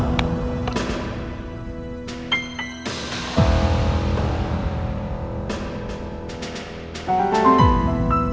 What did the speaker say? ini hp mas felix